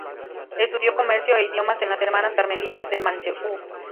Estudió comercio e idiomas en las Hermanas Carmelitas de Manlleu.